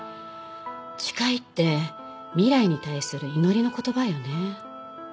誓いって未来に対する祈りの言葉よね。